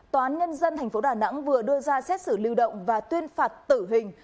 toán nhân dân thành phố đà nẵng vừa đưa ra xét xử lưu động và tuyên phạt tử hình